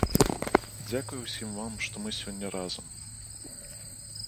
Дзякуй усім вам, што мы сёння разам!